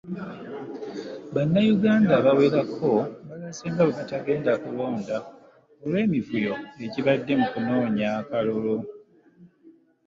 Bannayuganda abawerako balaze nga bwe batagenda kulonda olw’emivuyo egibadde mu kunoonya akalulu.